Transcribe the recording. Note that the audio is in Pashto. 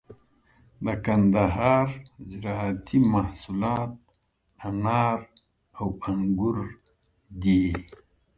د کندهار زراعتي محصولات انار او انگور دي.